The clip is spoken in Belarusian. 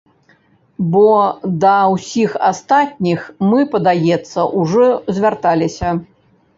Бо да ўсіх астатніх мы, падаецца, ужо звярталіся.